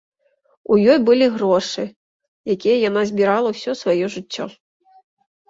У ёй былі грошы, якія яна збірала ўсё сваё жыццё.